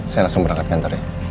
saya langsung berangkat kantor ya